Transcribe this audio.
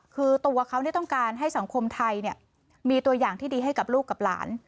คือตัวเขาต้องการให้สังคมไทยมีตัวอย่างที่ดีให้กับลูกกับหลาน